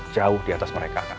jauh diatas mereka